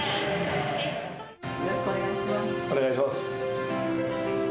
お願いします。